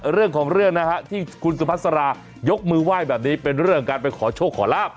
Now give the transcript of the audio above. เรื่องของเรื่องนะฮะที่คุณสุพัสรายกมือไหว้แบบนี้เป็นเรื่องการไปขอโชคขอลาบ